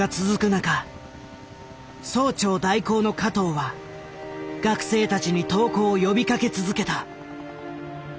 中総長代行の加藤は学生たちに投降を呼びかけ続けた。